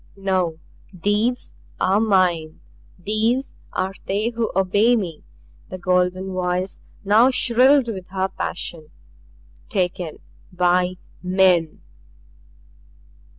"No! THESE are mine. These are they who obey me." The golden voice now shrilled with her passion. "Taken by men!"